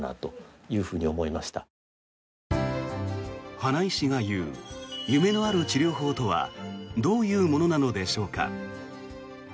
花井氏が言う夢のある治療法とはどういうものなのでしょうか。